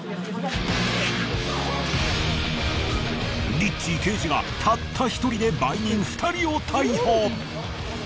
リッチー刑事がたった１人で売人２人を逮捕！